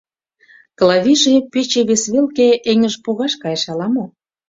Клавийже пече вес велке эҥыж погаш кайыш ала-мо...